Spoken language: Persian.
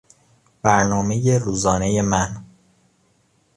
برنامهی روزانهی من